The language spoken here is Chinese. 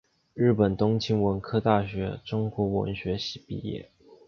日本东京文科大学中国文学系毕业。